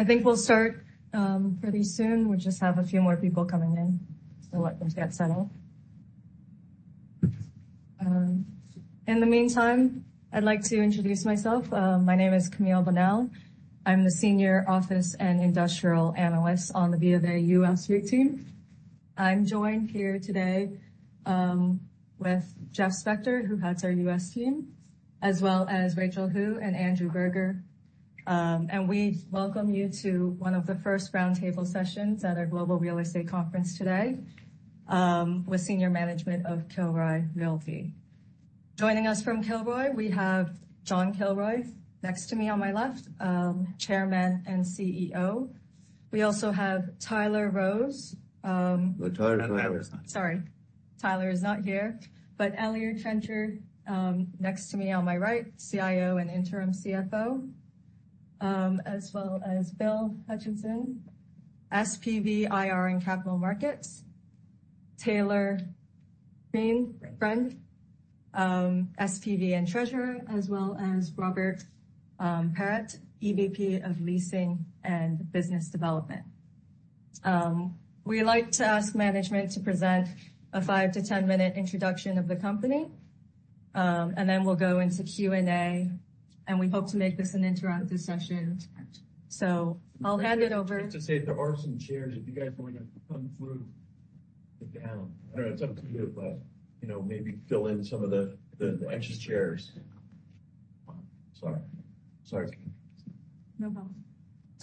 I think we'll start pretty soon. We just have a few more people coming in, so let them get settled. In the meantime, I'd like to introduce myself. My name is Camille Bonnell. I'm the Senior Office and Industrial Analyst on the BofA US REIT Team. I'm joined here today with Jeff Spector, who heads our US team, as well as Rachel Hu and Andrew Berger. We welcome you to one of the first roundtable sessions at our Global Real Estate Conference today with senior management of Kilroy Realty. Joining us from Kilroy, we have John Kilroy next to me on my left, Chairman and CEO. We also have Tyler Rose. No Tyler Rose. Sorry. Tyler is not here. Eliott Trencher, next to me on my right, CIO and Interim CFO, as well as Bill Hutcheson, SVP, IR, and Capital Markets. Taylor Friend, SVP and Treasurer, as well as Robert Paratte, EVP of Leasing and Business Development. We like to ask management to present a 5-10-minute introduction of the company, and then we'll go into Q&A, and we hope to make this an interactive session. I'll hand it over. Just to say there are some chairs if you guys want to come through down. I don't know, it's up to you, but you know, maybe fill in some of the extra chairs. Sorry. Sorry. No problem.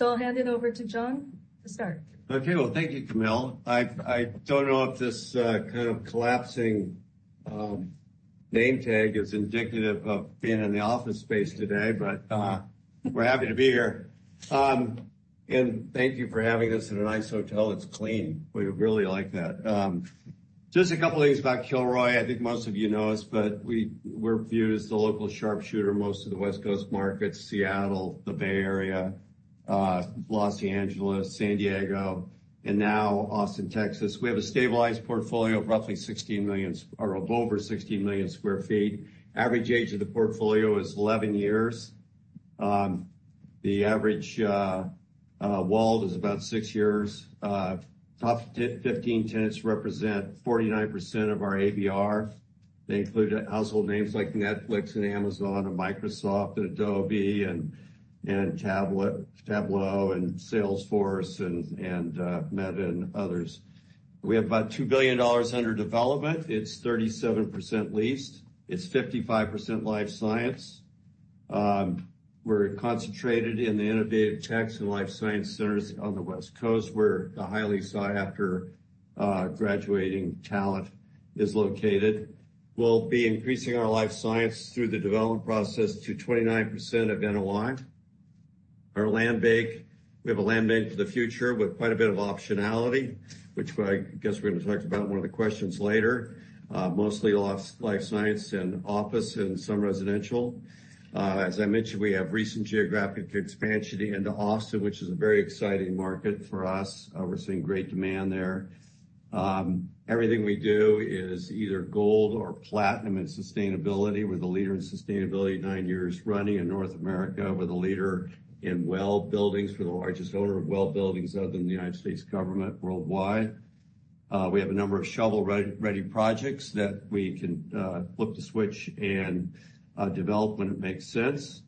I'll hand it over to John to start. Okay. Well, thank you, Camille. I don't know if this kind of collapsing name tag is indicative of being in the office space today, but we're happy to be here. Thank you for having us in a nice hotel that's clean. We really like that. Just a couple of things about Kilroy. I think most of you know us, but we're viewed as the local sharpshooter in most of the West Coast markets, Seattle, the Bay Area, Los Angeles, San Diego, and now Austin, Texas. We have a stabilized portfolio of roughly 16 million or of over 16 million sq ft. Average age of the portfolio is 11 years. The average wall is about six years. Top 15 tenants represent 49% of our ABR. They include household names like Netflix and Amazon and Microsoft and Adobe and Tableau and Salesforce and Meta and others. We have about $2 billion under development. It's 37% leased. It's 55% life science. We're concentrated in the innovative techs and life science centers on the West Coast, where the highly sought-after graduating talent is located. We'll be increasing our life science through the development process to 29% of NOI. Our land bank. We have a land bank for the future with quite a bit of optionality, which I guess we're going to talk about in one of the questions later. Mostly life science and office and some residential. As I mentioned, we have recent geographic expansion into Austin, which is a very exciting market for us. We're seeing great demand there. Everything we do is either gold or platinum in sustainability. We're the leader in sustainability 9 years running in North America. We're the leader in WELL buildings. We're the largest owner of WELL buildings other than the United States government worldwide. We have a number of shovel-ready projects that we can flip the switch and develop when it makes sense.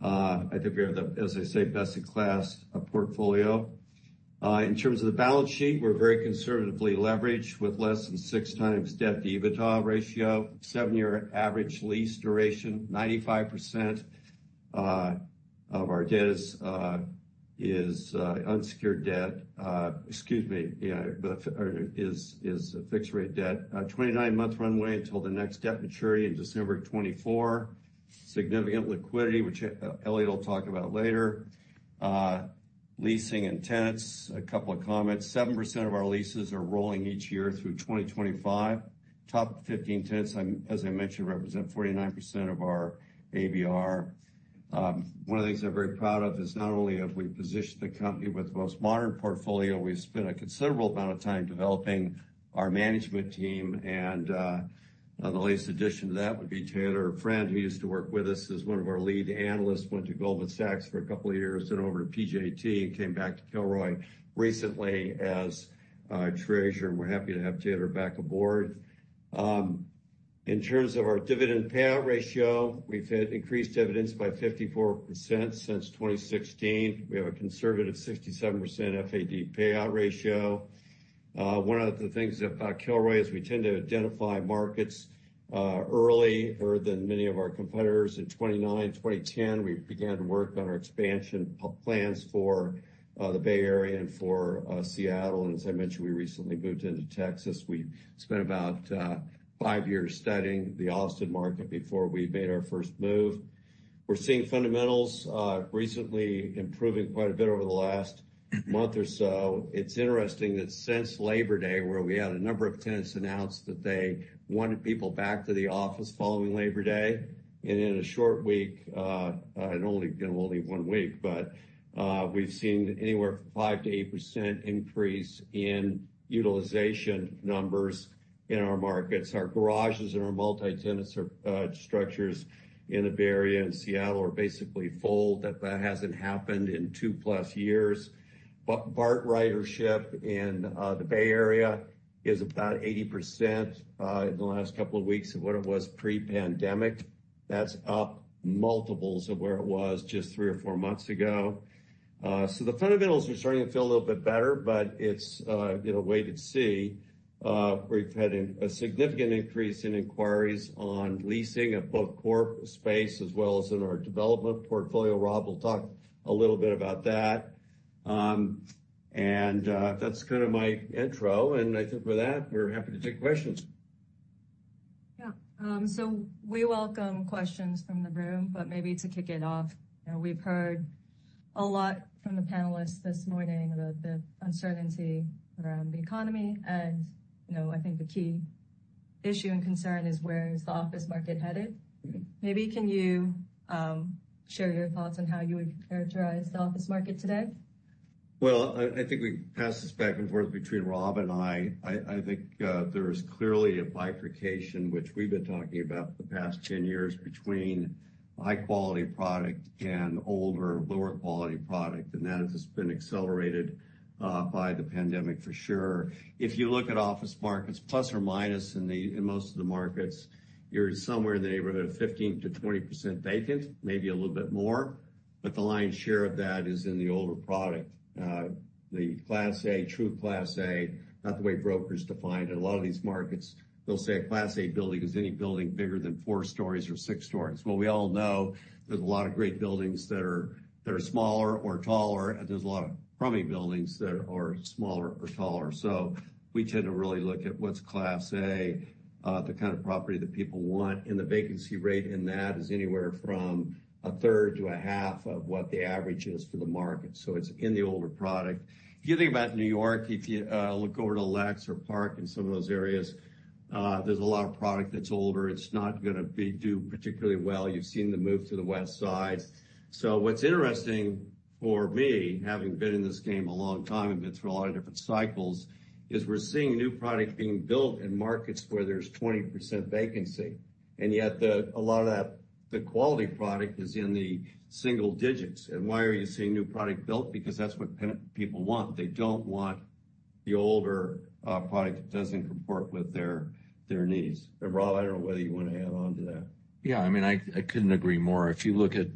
I think we have, as I say, best-in-class portfolio. In terms of the balance sheet, we're very conservatively leveraged with less than 6x debt-to-EBITDA ratio. 7-year average lease duration, 95% of our debt is unsecured, fixed-rate debt. A 29-month runway until the next debt maturity in December 2024. Significant liquidity, which Eliott will talk about later. Leasing and tenants, a couple of comments. 7% of our leases are rolling each year through 2025. Top 15 tenants, as I mentioned, represent 49% of our ABR. One of the things we're very proud of is not only have we positioned the company with the most modern portfolio, we've spent a considerable amount of time developing our management team. The latest addition to that would be Taylor Friend, who used to work with us as one of our lead analysts, went to Goldman Sachs for a couple of years, then over to PJT, and came back to Kilroy recently as treasurer, and we're happy to have Taylor back aboard. In terms of our dividend payout ratio, we've had increased dividends by 54% since 2016. We have a conservative 67% FAD payout ratio. One of the things about Kilroy is we tend to identify markets early, earlier than many of our competitors. In 2009, 2010, we began to work on our expansion plans for the Bay Area and for Seattle. As I mentioned, we recently moved into Texas. We spent about 5 years studying the Austin market before we made our first move. We're seeing fundamentals recently improving quite a bit over the last month or so. It's interesting that since Labor Day, where we had a number of tenants announce that they wanted people back to the office following Labor Day, and in a short week, only, you know, 1 week, but we've seen anywhere from 5%-8% increase in utilization numbers in our markets. Our garages and our multi-tenant structures in the Bay Area and Seattle are basically full. That hasn't happened in two plus years. BART ridership in the Bay Area is about 80% in the last couple of weeks of what it was pre-pandemic. That's up multiples of where it was just three or four months ago. The fundamentals are starting to feel a little bit better, but it's you know, wait and see. We've had a significant increase in inquiries on leasing of both corp space as well as in our development portfolio. Rob will talk a little bit about that. That's kind of my intro, and I think with that, we're happy to take questions. Yeah. We welcome questions from the room, but maybe to kick it off, you know, we've heard a lot from the panelists this morning about the uncertainty around the economy. You know, I think the key issue and concern is where is the office market headed. Mm-hmm. Maybe can you share your thoughts on how you would characterize the office market today? Well, I think we pass this back and forth between Rob and I. I think there is clearly a bifurcation, which we've been talking about for the past 10 years between high quality product and older, lower quality product, and that has just been accelerated by the pandemic for sure. If you look at office markets, plus or minus in most of the markets, you're somewhere in the neighborhood of 15%-20% vacant, maybe a little bit more, but the lion's share of that is in the older product. The Class A, true Class A, not the way brokers define it. A lot of these markets, they'll say a Class A building is any building bigger than four stories or six stories. Well, we all know there's a lot of great buildings that are smaller or taller, and there's a lot of crummy buildings that are smaller or taller. We tend to really look at what's Class A, the kind of property that people want, and the vacancy rate in that is anywhere from a third to a half of what the average is for the market. It's in the older product. If you think about New York, look over to Lex and Park and some of those areas, there's a lot of product that's older. It's not gonna do particularly well. You've seen the move to the West Side. What's interesting for me, having been in this game a long time and been through a lot of different cycles, is we're seeing new product being built in markets where there's 20% vacancy. A lot of that, the quality product is in the single digits. Why are you seeing new product built? Because that's what tenants want. They don't want the older product that doesn't comport with their needs. Rob, I don't know whether you wanna add on to that. Yeah. I mean, I couldn't agree more. If you look at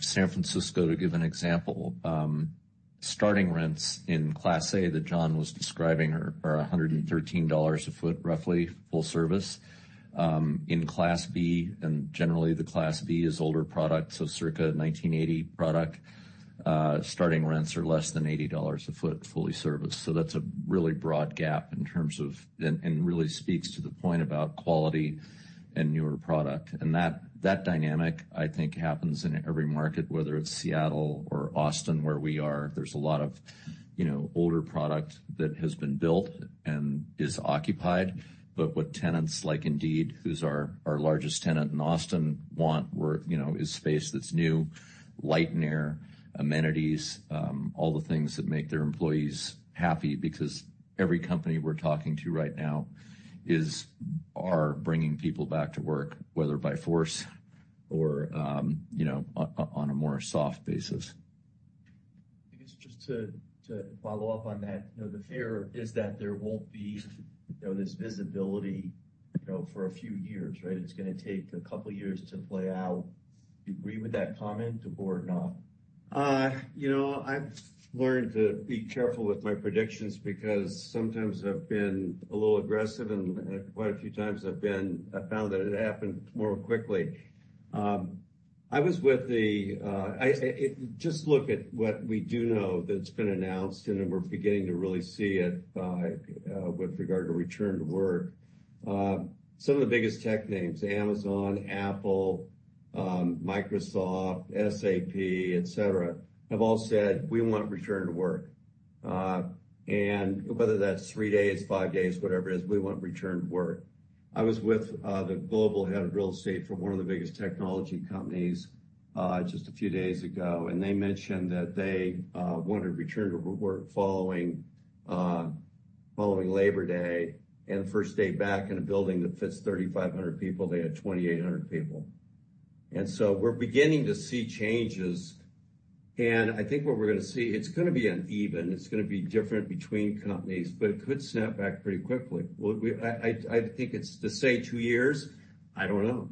San Francisco to give an example, starting rents in Class A that John was describing are $113 a foot, roughly, full service. In Class B, and generally the Class B is older product, so circa 1980 product, starting rents are less than $80 a foot, fully serviced. That's a really broad gap and really speaks to the point about quality and newer product. That dynamic, I think, happens in every market, whether it's Seattle or Austin, where we are. There's a lot of older products that has been built and is occupied. What tenants like Indeed, who's our largest tenant in Austin want, we're, you know, is space that's new, light and air, amenities, all the things that make their employees happy. Because every company we're talking to right now are bringing people back to work, whether by force or, you know, on a more soft basis. I guess just to follow up on that, you know, the fear is that there won't be, you know, this visibility, you know, for a few years, right? It's gonna take a couple years to play out. Do you agree with that comment or not? You know, I've learned to be careful with my predictions because sometimes I've been a little aggressive, and quite a few times I've found that it happened more quickly. Just look at what we do know that's been announced, and then we're beginning to really see it by, with regard to return to work. Some of the biggest tech names, Amazon, Apple, Microsoft, SAP, etc., have all said, "We want return to work." Whether that's three days, five days, whatever it is, we want return to work. I was with the global head of real estate for one of the biggest technology companies, just a few days ago, and they mentioned that they wanted to return to work following Labor Day. The first day back in a building that fits 3,500 people, they had 2,800 people. We're beginning to see changes. I think what we're gonna see, it's gonna be uneven, it's gonna be different between companies, but it could snap back pretty quickly. I think it's, to say two years, I don't know.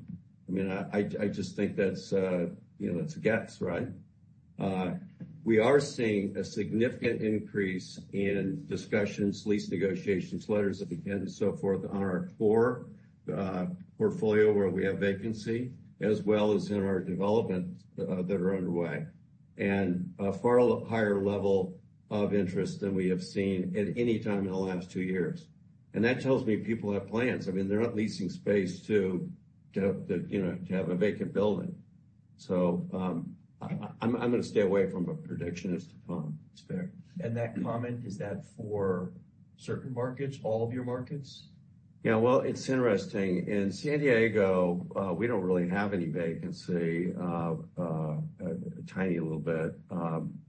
I mean, I just think that's, you know, it's a guess, right? We are seeing a significant increase in discussions, lease negotiations, letters of intent and so forth on our core portfolio where we have vacancy, as well as in our development that are underway. A far higher level of interest than we have seen at any time in the last two years. That tells me people have plans. I mean, they're not leasing space to, you know, to have a vacant building. I'm gonna stay away from a prediction as to timing. That comment, is that for certain markets, all of your markets? Yeah. Well, it's interesting. In San Diego, we don't really have any vacancy, tiny little bit,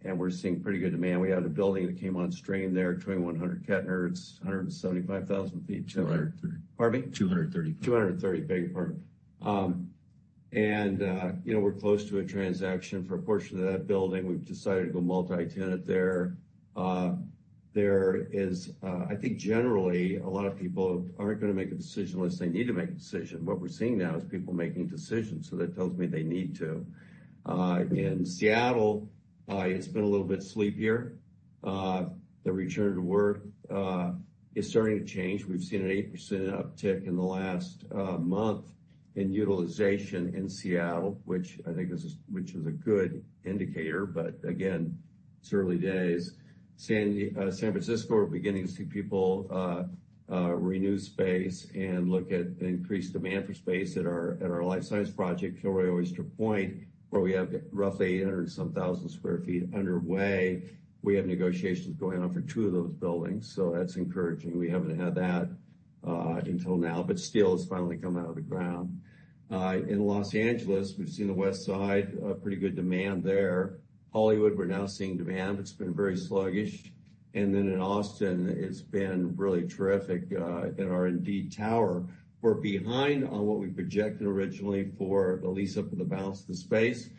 and we're seeing pretty good demand. We had a building that came on stream there, 2100 Kettner. It's 175,000 sq ft. 230. Pardon me? 230. 230. Beg your pardon. You know, we're close to a transaction for a portion of that building. We've decided to go multi-tenant there. There is, I think generally a lot of people aren't gonna make a decision unless they need to make a decision. What we're seeing now is people making decisions, so that tells me they need to. In Seattle, it's been a little bit sleepier. The return to work is starting to change. We've seen an 8% uptick in the last month in utilization in Seattle, which I think is a good indicator. Again, it's early days. San Francisco, we are beginning to see people renew space and look at increased demand for space at our life science project, Kilroy Oyster Point, where we have roughly 800 and some thousand sq ft underway. We have negotiations going on for two of those buildings, so that's encouraging. We haven't had that until now, but steel has finally come out of the ground. In Los Angeles, we've seen the west side pretty good demand there. Hollywood, we're now seeing demand. It's been very sluggish. Then in Austin, it's been really terrific. In our Indeed Tower, we're behind on what we projected originally for the lease-up for the balance of the space,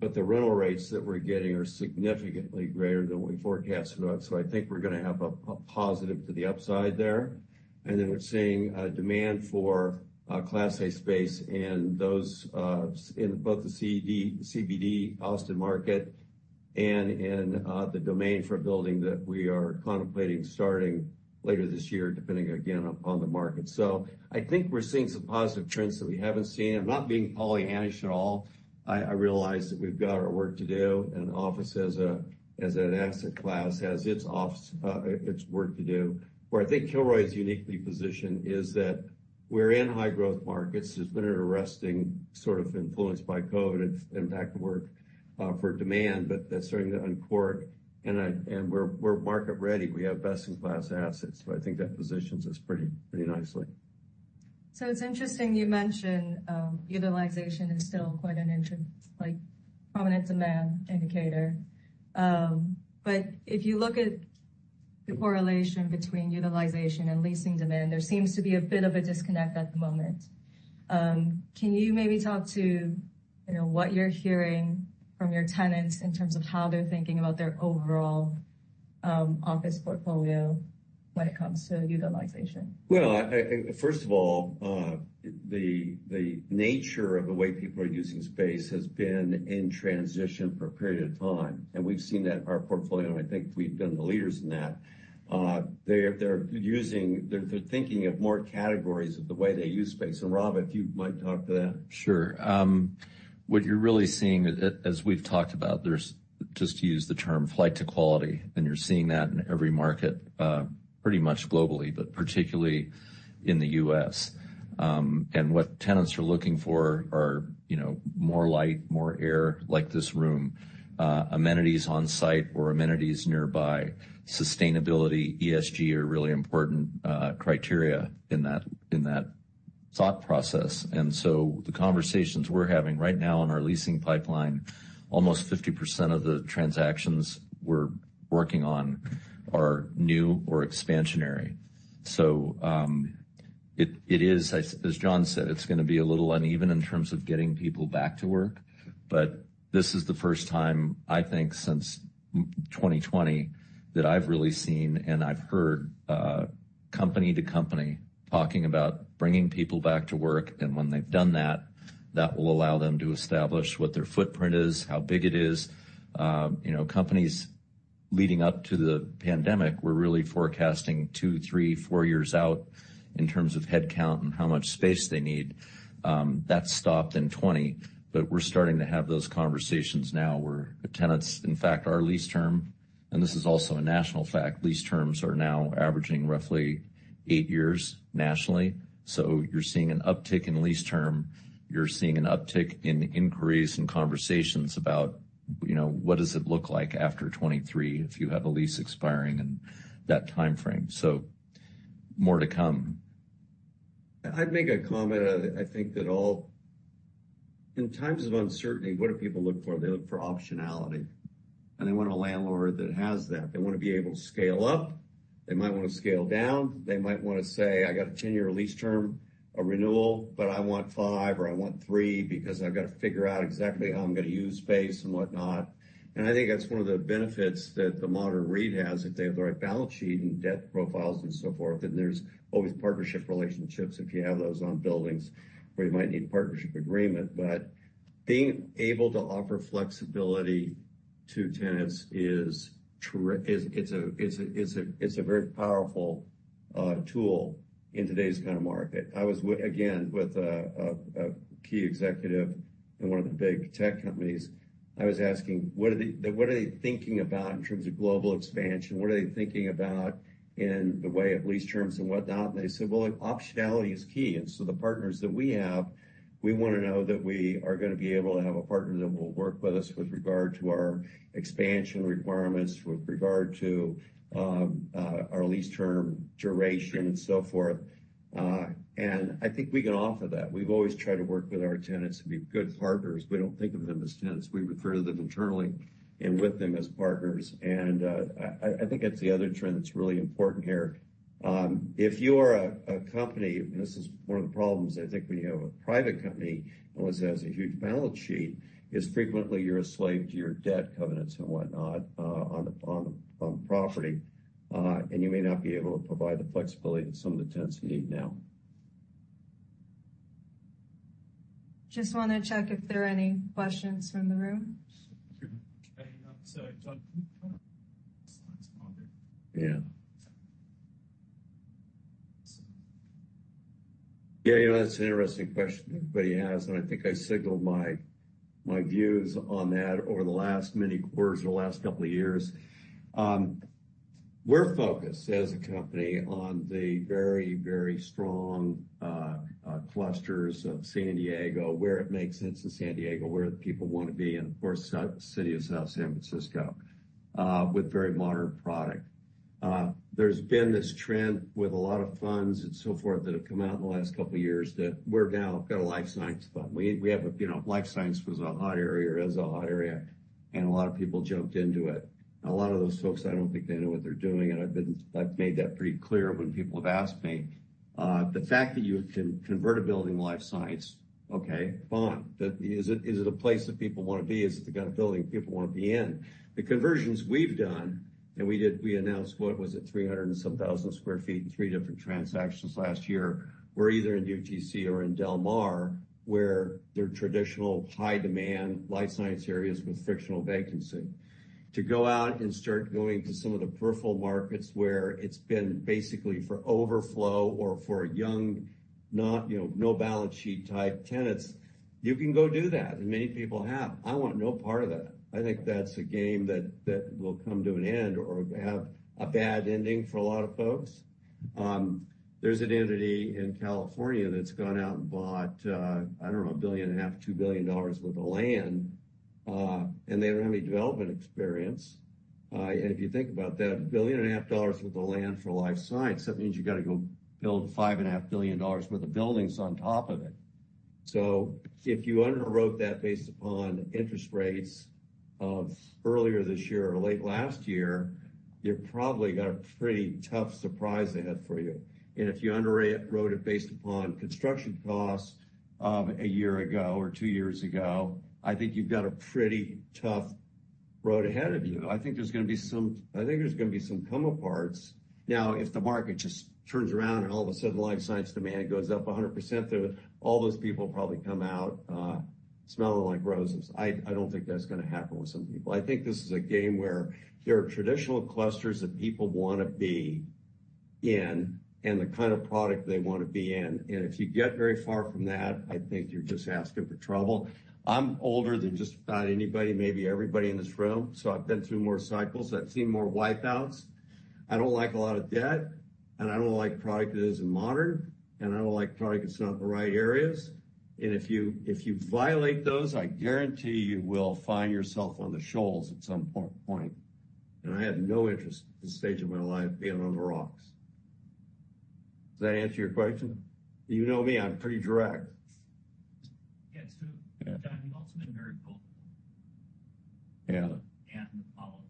but the rental rates that we're getting are significantly greater than what we forecasted about. I think we're gonna have a positive to the upside there. Then we're seeing demand for class A space in those in both the CBD Austin market and in the Domain for a building that we are contemplating starting later this year, depending again, upon the market. I think we're seeing some positive trends that we haven't seen. I'm not being Pollyannish at all. I realize that we've got our work to do, and office as an asset class has its work to do. Where I think Kilroy is uniquely positioned is that we're in high growth markets. There's been an arresting sort of influence by COVID and back to work for demand, but that's starting to uncork. We're market ready. We have best in class assets, so I think that positions us pretty nicel.. It's interesting you mention utilization is still quite a prominent demand indicator. But if you look at the correlation between utilization and leasing demand, there seems to be a bit of a disconnect at the moment. Can you maybe talk to, you know, what you're hearing from your tenants in terms of how they're thinking about their overall office portfolio when it comes to utilization? Well, first of all, the nature of the way people are using space has been in transition for a period of time, and we've seen that in our portfolio, and I think we've been the leaders in that. They're thinking of more categories of the way they use space. Rob, if you might talk to that. Sure. What you're really seeing, as we've talked about, there's just, to use the term, flight to quality, and you're seeing that in every market, pretty much globally, but particularly in the US. What tenants are looking for are, you know, more light, more air, like this room, amenities on site or amenities nearby. Sustainability, ESG are really important criteria in that thought process. The conversations we're having right now in our leasing pipeline, almost 50% of the transactions we're working on are new or expansionary. It is, as John said, gonna be a little uneven in terms of getting people back to work. This is the first time, I think since 2020, that I've really seen, and I've heard, company to company talking about bringing people back to work. When they've done that will allow them to establish what their footprint is, how big it is. You know, companies leading up to the pandemic were really forecasting two, three, four years out in terms of head count and how much space they need. That stopped in 2020, but we're starting to have those conversations now where tenants, in fact, our lease term, and this is also a national fact, lease terms are now averaging roughly eight years nationally. You're seeing an uptick in lease term. You're seeing an uptick in inquiries and conversations about, you know, what does it look like after 2023 if you have a lease expiring in that timeframe. More to come. I'd make a comment. I think that in times of uncertainty, what do people look for? They look for optionality, and they want a landlord that has that. They wanna be able to scale up. They might wanna scale down. They might wanna say, "I got a 10-year lease term, a renewal, but I want five, or I want three because I've got to figure out exactly how I'm gonna use space and whatnot." I think that's one of the benefits that the modern REIT has, if they have the right balance sheet and debt profiles and so forth, and there's always partnership relationships, if you have those on buildings where you might need partnership agreement. Being able to offer flexibility to tenants is a very powerful tool in today's kind of market. I was again with a key executive in one of the big tech companies. I was asking what they are thinking about in terms of global expansion. What are they thinking about in the way of lease terms and whatnot? They said, "Well, look, optionality is key. So, the partners that we have, we wanna know that we are gonna be able to have a partner that will work with us with regard to our expansion requirements, with regard to our lease term duration and so forth." I think we can offer that. We've always tried to work with our tenants to be good partners. We don't think of them as tenants. We refer to them internally and with them as partners. I think that's the other trend that's really important here. If you are a company, and this is one of the problems I think when you have a private company that has a huge balance sheet, is frequently you're a slave to your debt covenants and whatnot on the property. You may not be able to provide the flexibility that some of the tenants need now. Just wanna check if there are any questions from the room. Yeah. Yeah, you know, that's an interesting question everybody has, and I think I signaled my views on that over the last many quarters, or the last couple of years. We're focused as a company on the very, very strong clusters of San Diego, where it makes sense in San Diego, where the people wanna be, and of course, the city of South San Francisco, with very modern product. There's been this trend with a lot of funds and so forth that have come out in the last couple of years that we've now got a life science fund. We have, you know, life science was a hot area or is a hot area, and a lot of people jumped into it. A lot of those folks, I don't think they know what they're doing, and I've made that pretty clear when people have asked me. The fact that you can convert a building to life science, okay, fine. Is it, is it a place that people wanna be? Is it the kind of building people wanna be in? The conversions we've done, we announced, what was it? 300 and some thousand sq ft in three different transactions last year. We're either in UTC or in Del Mar, where they're traditional high-demand life science areas with frictional vacancy. To go out and start going to some of the peripheral markets where it's been basically for overflow or for young, not, you know, no balance sheet type tenants, you can go do that, and many people have. I want no part of that. I think that's a game that will come to an end or have a bad ending for a lot of folks. There's an entity in California that's gone out and bought, I don't know, $1.5 billion-$2 billion worth of land, and they don't have any development experience. If you think about that, $1.5 billion worth of land for life science, that means you gotta go build $5.5 billion worth of buildings on top of it. If you underwrote that based upon interest rates of earlier this year or late last year, you're probably got a pretty tough surprise they have for you. If you underwrote it based upon construction costs of a year ago or two years ago, I think you've got a pretty tough road ahead of you. I think there's gonna be some comeuppance. Now, if the market just turns around, and all of a sudden, the life science demand goes up 100%, then all those people probably come out smelling like roses. I don't think that's gonna happen with some people. I think this is a game where there are traditional clusters that people wanna be in and the kind of product they wanna be in. If you get very far from that, I think you're just asking for trouble. I'm older than just about anybody, maybe everybody in this room, so I've been through more cycles. I've seen more wipeouts. I don't like a lot of debt, and I don't like product that isn't modern, and I don't like product that's not in the right areas. If you violate those, I guarantee you will find yourself on the shoals at some point, and I have no interest at this stage of my life being on the rocks. Does that answer your question? You know me, I'm pretty direct. Yeah. John, you've also been very vocal. Yeah. The politics in there. Right. As you see companies to what is coming next. Yeah. Is the political environment development negative companies? Yeah.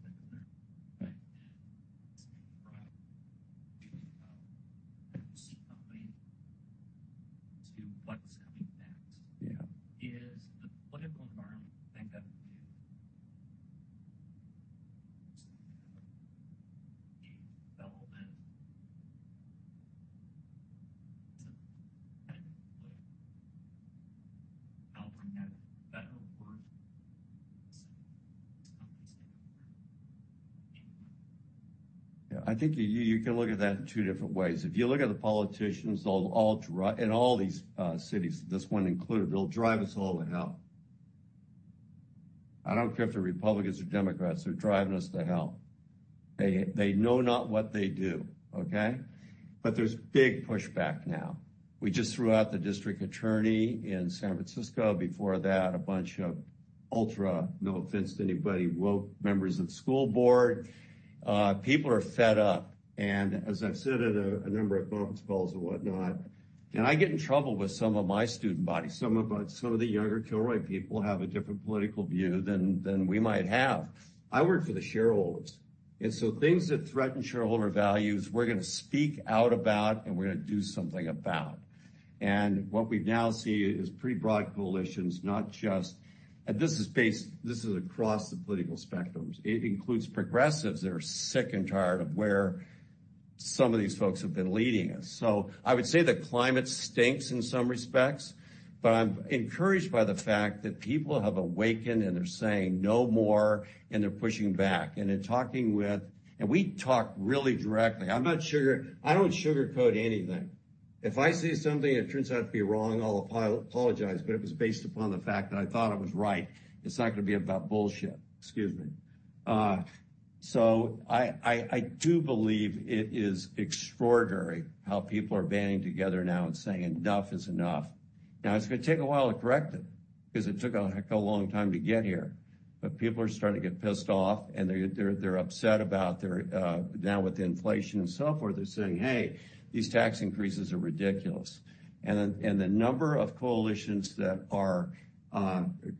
I think you can look at that in two different ways. If you look at the politicians, they'll all in all these cities, this one included, they'll drive us all to hell. I don't care if they're Republicans or Democrats, they're driving us to hell. They know not what they do. Okay. There's big pushback now. We just threw out the district attorney in San Francisco. Before that, a bunch of ultra, no offense to anybody, woke members of the school board. People are fed up. As I've said at a number of conference calls and whatnot, and I get in trouble with some of my student body. Some of the younger Kilroy people have a different political view than we might have. I work for the shareholders. Things that threaten shareholder values, we're gonna speak out about, and we're gonna do something about. What we now see is pretty broad coalitions, not just. This is based. This is across the political spectrums. It includes progressives that are sick and tired of where some of these folks have been leading us. I would say the climate stinks in some respects, but I'm encouraged by the fact that people have awakened, and they're saying no more, and they're pushing back. In talking with, we talk really directly. I don't sugarcoat anything. If I say something, it turns out to be wrong, I'll apologize, but it was based upon the fact that I thought I was right. It's not gonna be about bullshit. Excuse me. I do believe it is extraordinary how people are banding together now and saying enough is enough. Now, it's gonna take a while to correct it. Because it took a heck of a long time to get here, but people are starting to get pissed off, and they're upset about their now with inflation and so forth, they're saying, "Hey, these tax increases are ridiculous." The number of coalitions that are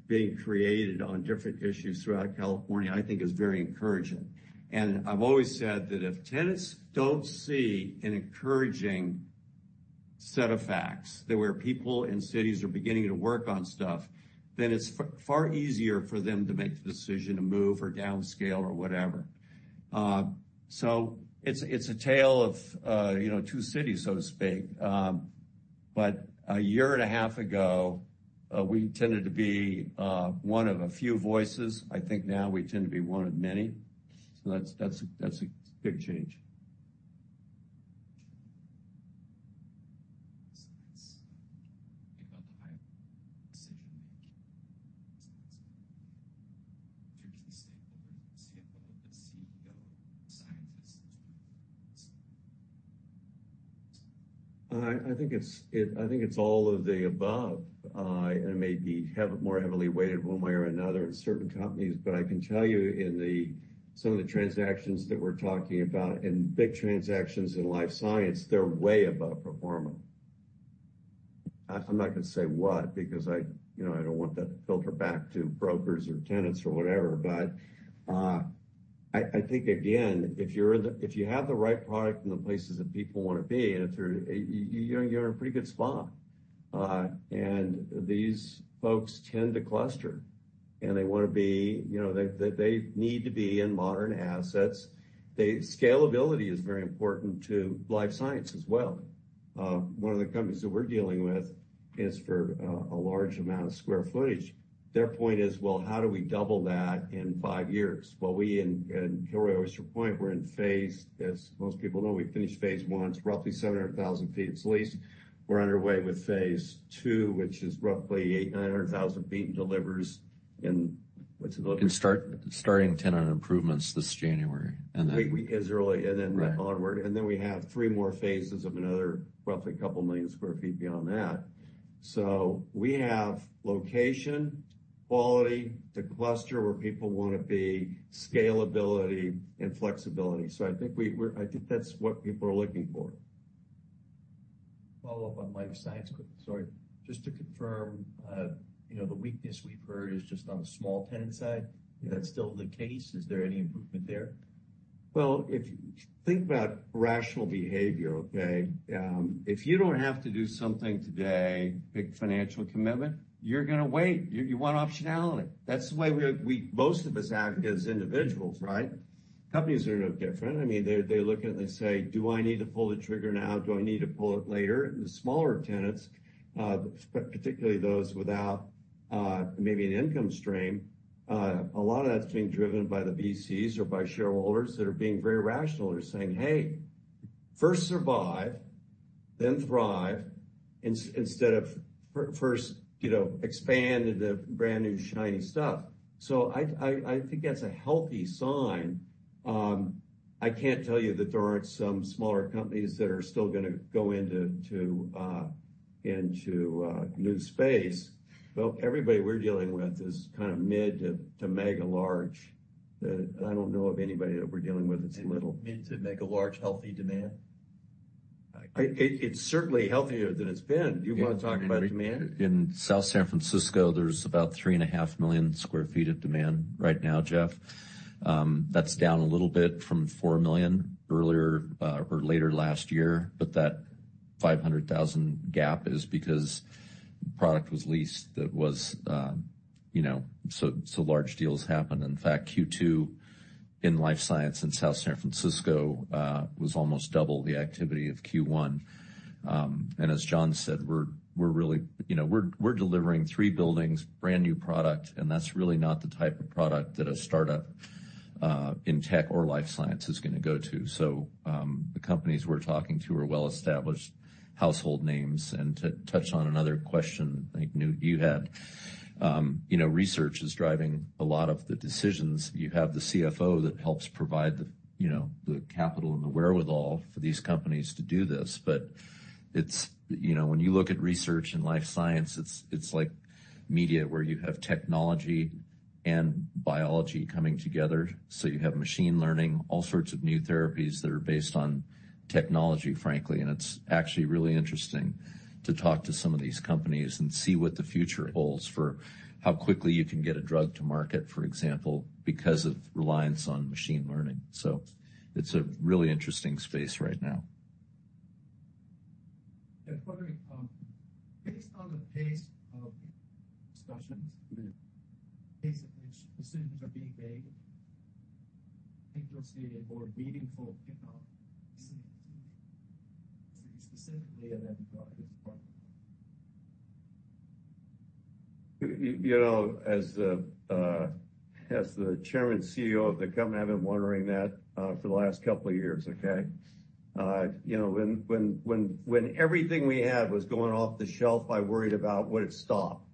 being created on different issues throughout California, I think is very encouraging. I've always said that if tenants don't see an encouraging set of facts, that where people in cities are beginning to work on stuff, then it's far easier for them to make the decision to move or downscale or whatever. It's a tale of, you know, two cities, so to speak. A year and a half ago, we tended to be one of a few voices. I think now we tend to be one of many. That's a big change. Science. Think about the high decision-making. Science. Particularly stakeholders, CFO, the CEO, scientists. I think it's all of the above. It may be more heavily weighted one way or another in certain companies, but I can tell you some of the transactions that we're talking about, in big transactions in life science, they're way above pro forma. I'm not gonna say what, because you know, I don't want that to filter back to brokers or tenants or whatever. I think, again, if you have the right product in the places that people wanna be, and if you're in a pretty good spot. These folks tend to cluster, and they wanna be, you know, they need to be in modern assets. Scalability is very important to life science as well. One of the companies that we're dealing with is for a large amount of square footage. Their point is, well, how do we double that in five years? Well, we in Kilroy Oyster Point, we're in phase, as most people know, we finished phase one. It's roughly 700,000 sq ft. It's leased. We're underway with phase two, which is roughly 800,000-900,000 sq ft and delivers in? What's it delivers? In starting tenant improvements this January, and then. As early, and then onward. Right. We have three more phases of another roughly couple million sq ft beyond that. We have location, quality, the cluster where people wanna be, scalability, and flexibility. I think that's what people are looking for. Follow up on life science, quick. Sorry. Just to confirm, you know, the weakness we've heard is just on the small tenant side. Yeah. Is that still the case? Is there any improvement there? Well, if you think about rational behavior, okay? If you don't have to do something today, big financial commitment, you're gonna wait. You want optionality. That's the way we most of us act as individuals, right? Companies are no different. I mean, they look and they say, "Do I need to pull the trigger now? Do I need to pull it later?" The smaller tenants, particularly those without, maybe an income stream, a lot of that's being driven by the VCs or by shareholders that are being very rational. They're saying, "Hey, first survive, then thrive, instead of first, you know, expand into brand new, shiny stuff." I think that's a healthy sign. I can't tell you that there aren't some smaller companies that are still gonna go into new space. Well, everybody we're dealing with is kind of mid to mega large. I don't know of anybody that we're dealing with that's little. Mid to mega large, healthy demand? It's certainly healthier than it's been. You wanna talk about demand? In South San Francisco, there's about 3.5 million sq ft of demand right now, Jeff. That's down a little bit from 4 million sq ft earlier, or later last year, but that 500,000 sq ft gap is because product was leased that was, you know, so large deals happened. In fact, Q2 in life science in South San Francisco was almost double the activity of Q1. And as John said, we're delivering three buildings, brand new product, and that's really not the type of product that a startup in tech or life science is gonna go to. So, the companies we're talking to are well-established household names. To touch on another question I think, Newt, you had, research is driving a lot of the decisions. You have the CFO that helps provide the, you know, the capital and the wherewithal for these companies to do this. It's, you know, when you look at research and life science, it's like media where you have technology and biology coming together. You have machine learning, all sorts of new therapies that are based on technology, frankly. It's actually really interesting to talk to some of these companies and see what the future holds for how quickly you can get a drug to market, for example, because of reliance on machine learning. It's a really interesting space right now. Yeah. Further, based on the pace of discussions, pace at which decisions are being made, think you'll see a more meaningful economic specifically in that regard as well. You know, as the Chairman and CEO of the company, I've been wondering that for the last couple of years, okay? You know, when everything we had was going off the shelf, I worried about would it stop.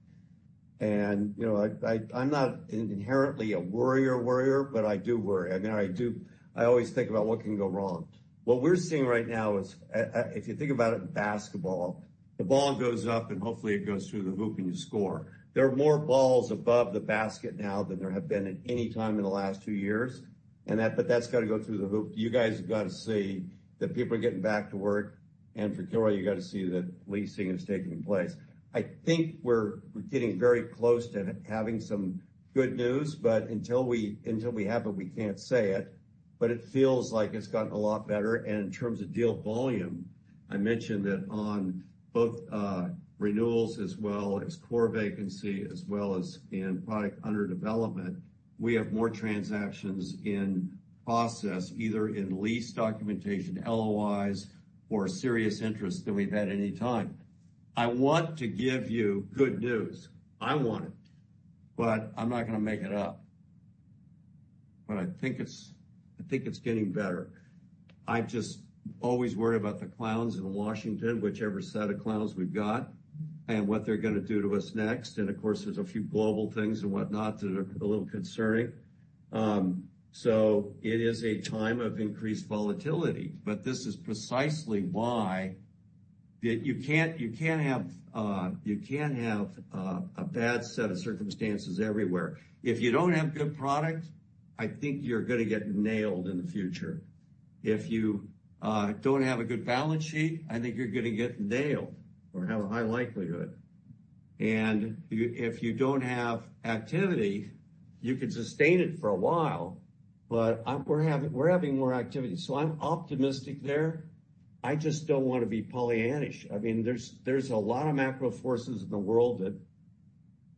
You know, I'm not inherently a worrier, but I do worry. I mean, I do. I always think about what can go wrong. What we're seeing right now is, if you think about it in basketball, the ball goes up, and hopefully it goes through the hoop, and you score. There are more balls above the basket now than there have been at any time in the last two years. That, but that's got to go through the hoop. You guys have got to see that people are getting back to work. For Kilroy, you got to see that leasing is taking place. I think we're getting very close to having some good news, but until we have it, we can't say it, but it feels like it's gotten a lot better. In terms of deal volume, I mentioned that on both renewals as well as core vacancy as well as in product under development, we have more transactions in process, either in lease documentation, LOIs or serious interest than we've had any time. I want to give you good news. I want it, but I'm not going to make it up. I think it's getting better. I just always worry about the clowns in Washington, whichever set of clowns we've got and what they're gonna do to us next. Of course, there's a few global things and whatnot that are a little concerning. It is a time of increased volatility. This is precisely why that you can't have a bad set of circumstances everywhere. If you don't have good product, I think you're gonna get nailed in the future. If you don't have a good balance sheet, I think you're gonna get nailed or have a high likelihood. If you don't have activity, you could sustain it for a while, but we're having more activity, so I'm optimistic there. I just don't want to be Pollyannish. I mean, there's a lot of macro forces in the world that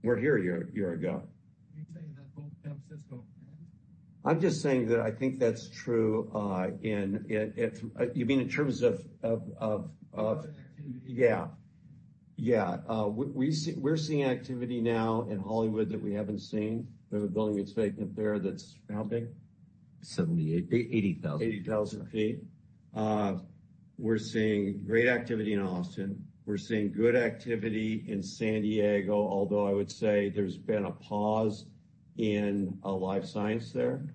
weren't here a year ago. You're saying that both helps us go ahead. I'm just saying that I think that's true. You mean in terms of of Activity. Yeah. Yeah. We're seeing activity now in Hollywood that we haven't seen. We have a building that's vacant there that's how big? 78. 880,000. 80,000 feet. We're seeing great activity in Austin. We're seeing good activity in San Diego, although I would say there's been a pause in life science there.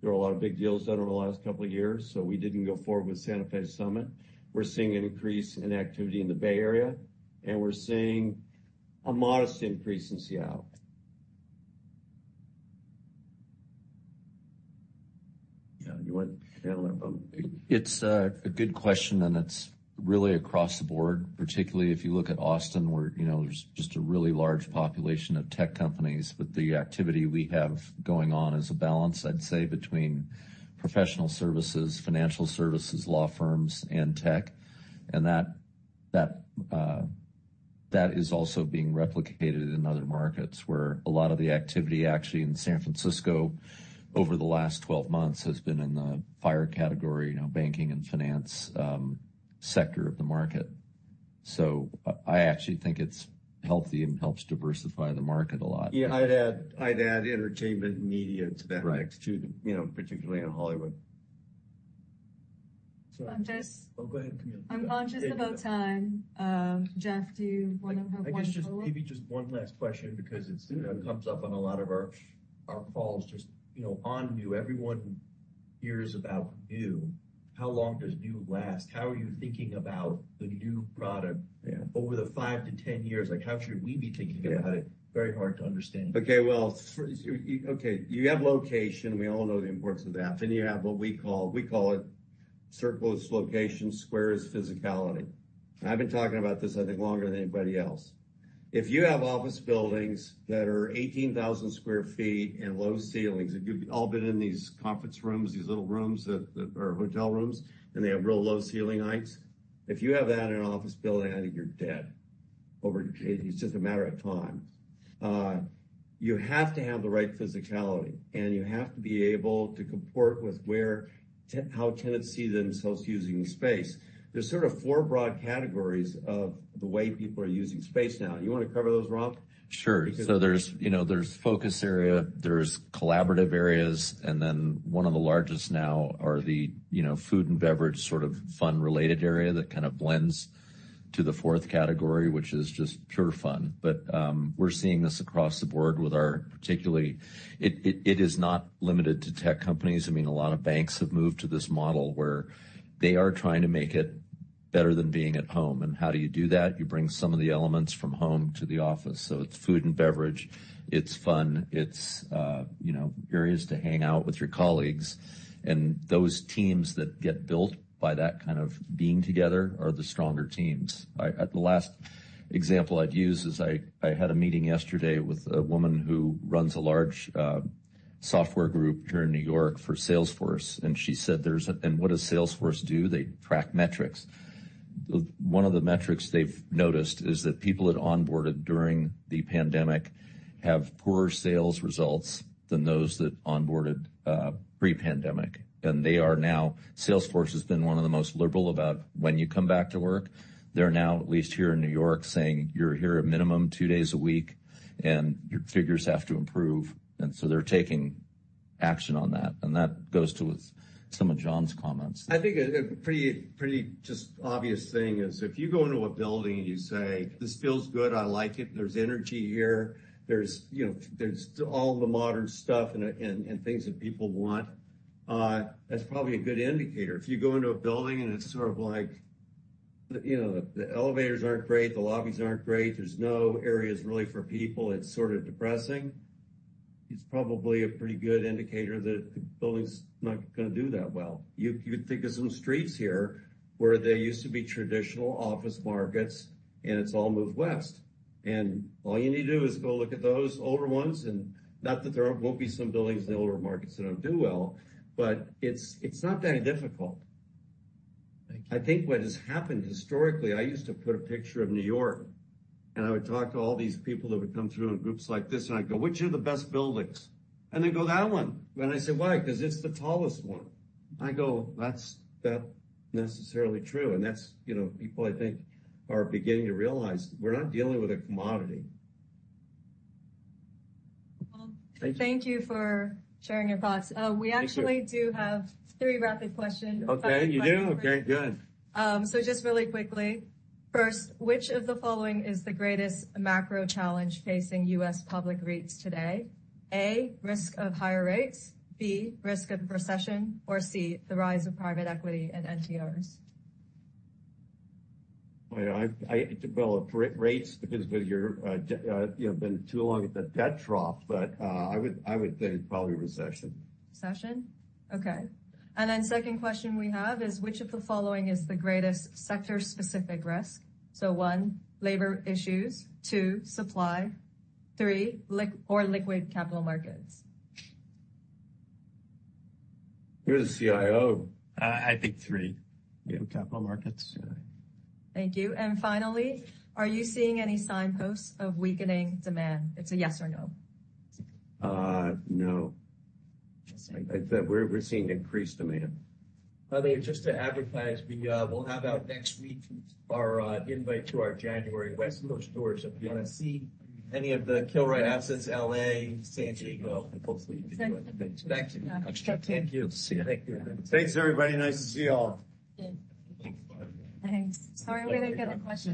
There were a lot of big deals done over the last couple of years, so we didn't go forward with Santa Fe Summit. We're seeing an increase in activity in the Bay Area, and we're seeing a modest increase in Seattle. You want to handle that one? It's a good question, and it's really across the board, particularly if you look at Austin, where, you know, there's just a really large population of tech companies. The activity we have going on is a balance, I'd say, between professional services, financial services, law firms, and tech. That is also being replicated in other markets where a lot of the activity actually in San Francisco over the last 12 months has been in the FIRE category, you know, banking and finance, sector of the market. I actually think it's healthy and helps diversify the market a lot. Yeah. I'd add entertainment media to that mix too, you know, particularly in Hollywood. I'm just- Oh, go ahead, Camille. I'm conscious about time. Jeff, do you want to have one follow-up? I guess maybe just one last question because it's, you know, comes up on a lot of our calls just, you know, on new. Everyone hears about new. How long does new last? How are you thinking about the new product. Yeah. Over the 5-10 years? Like, how should we be thinking about it? Very hard to understand. Okay. Well, okay, you have location. We all know the importance of that. Then you have what we call it circle is location, square is physicality. I've been talking about this, I think, longer than anybody else. If you have office buildings that are 18,000 sq ft and low ceilings, if you've all been in these conference rooms, these little rooms that or hotel rooms, and they have real low ceiling heights. If you have that in an office building, I think you're dead. It's just a matter of time. You have to have the right physicality, and you have to be able to comport with how tenants see themselves using space. There's sort of four broad categories of the way people are using space now. You want to cover those, Rob? Sure. There's, you know, focus area, there's collaborative areas, and then one of the largest now are the food and beverage sort of fun related area that kind of blends to the fourth category, which is just pure fun. But we're seeing this across the board with our particularly. It is not limited to tech companies. I mean, a lot of banks have moved to this model where they are trying to make it better than being at home. How do you do that? You bring some of the elements from home to the office. It's food and beverage, it's fun, it's areas to hang out with your colleagues. Those teams that get built by that kind of being together are the stronger teams. The last example I'd use is I had a meeting yesterday with a woman who runs a large software group here in New York for Salesforce, and she said. What does Salesforce do? They track metrics. One of the metrics they've noticed is that people that onboarded during the pandemic have poorer sales results than those that onboarded pre-pandemic. Salesforce has been one of the most liberal about when you come back to work. They're now, at least here in New York, saying, "You're here a minimum two days a week and your figures have to improve." They're taking action on that. That goes towards some of John's comments. I think a pretty just obvious thing is if you go into a building and you say, "This feels good, I like it, there's energy here. There's, you know, there's all the modern stuff and things that people want." That's probably a good indicator. If you go into a building and its sort of like, you know, the elevators aren't great, the lobbies aren't great. There's no areas really for people. It's sort of depressing. It's probably a pretty good indicator that the building's not gonna do that well. You think of some streets here where there used to be traditional office markets and it's all moved west. All you need to do is go look at those older ones and not that there won't be some buildings in the older markets that don't do well, but it's not that difficult. Thank you. I think what has happened historically, I used to put a picture of New York, and I would talk to all these people that would come through in groups like this, and I'd go, "Which are the best buildings?" They'd go, "That one." I'd say, "Why?" 'Cause it's the tallest one. I go, "That's not necessarily true." That's, you know, people I think are beginning to realize we're not dealing with a commodity. Well, thank you for sharing your thoughts. We actually do have three rapid question- Okay. You do? Okay, good. Just really quickly. First, which of the following is the greatest macro challenge facing U.S. public REITs today? A, risk of higher rates, B, risk of recession, or C, the rise of private equity and NTRs. Well, rates, because whether you're, you know, been too long at the debt trough, but I would think probably recession. Recession? Okay. Second question we have is which of the following is the greatest sector-specific risk? One, labor issues, two, supply, three, illiquid capital markets. You're the CIO. I think three. Yeah, capital markets. Yeah. Thank you. Finally, are you seeing any signposts of weakening demand? It's a yes or no. No. Just like that. We're seeing increased demand. By the way, just to advertise, we'll have our invite out next week to our January West Coast tours. If you wanna see any of the Kilroy assets, L.A., San Diego, and hopefully you can do it. Thanks. Thank you. Thank you. See you. Thanks, everybody. Nice to see you all. Thanks. Sorry we didn't get a question in.